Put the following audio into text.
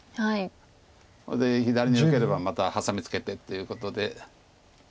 ここで左に受ければまたハサミツケてっていうことで。